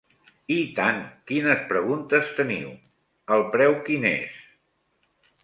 I tant, quines preguntes teniu, el preu quin és?